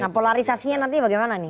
nah polarisasinya nanti bagaimana nih